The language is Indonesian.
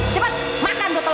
cepet makan tuh telur